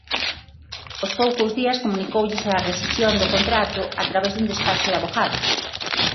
Aos poucos días comunicoulles a rescisión do contrato a través dun despacho de avogados.